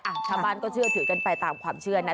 ชาวบ้านก็เชื่อถือกันไปตามความเชื่อนะ